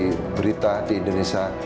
sebagai tv berita di indonesia